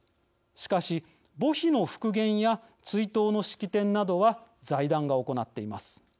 しかし、墓碑の復元や追悼の式典などは財団が行っています。